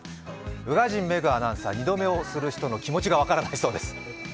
宇賀神メグアナウンサー、二度寝をする人の気持ちが分からないそうです。